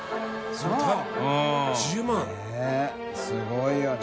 すごいね。